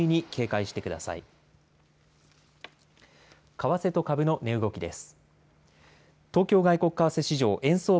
為替と株の値動きです。